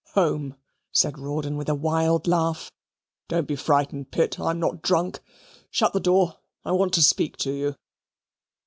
"Home," said Rawdon with a wild laugh. "Don't be frightened, Pitt. I'm not drunk. Shut the door; I want to speak to you."